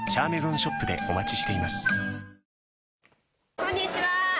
こんにちは。